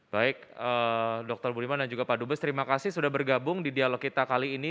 baik dr budiman dan juga pak dubes terima kasih sudah bergabung di dialog kita kali ini